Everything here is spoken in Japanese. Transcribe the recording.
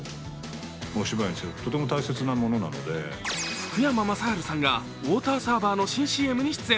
福山雅治さんがウォーターサーバーの新ＣＭに出演。